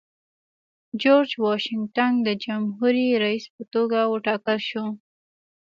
جورج واشنګټن د جمهوري رئیس په توګه وټاکل شو.